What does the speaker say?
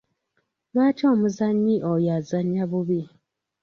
Lwaki omuzannyi oyo azannya bubi?